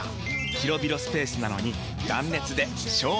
広々スペースなのに断熱で省エネ！